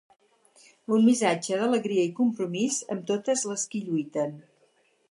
Un missatge d'alegria i compromís amb totes les qui lluiten.